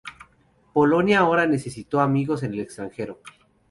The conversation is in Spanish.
Polonia ahora necesitó amigos en el extranjero.